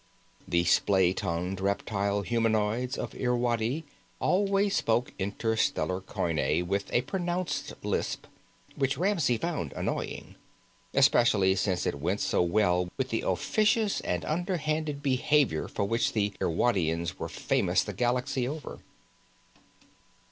The splay tongued reptile humanoids of Irwadi always spoke Interstellar Coine with a pronounced lisp which Ramsey found annoying, especially since it went so well with the officious and underhanded behavior for which the Irwadians were famous the galaxy over.